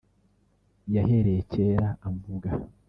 yahereye kera amvuga